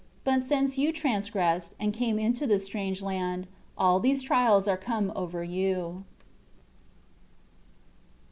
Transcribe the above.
But since you transgressed, and came into this strange land, all these trials are come over you."